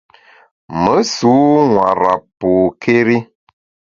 Me sû nwara pôkéri.